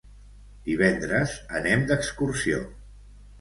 Divendres anem d'excursió.